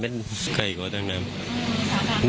มากเยอะเยอะที่ว่าเป็นักทำงานไซม์